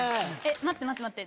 待って待って待って！